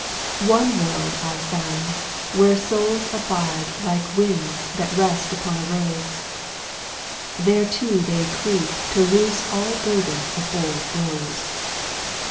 One world I found, where souls abide Like winds that rest upon a rose; Thereto they creep To loose all burden of old woes.